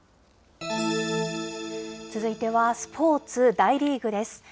続いてはスポーツ、大リーグです。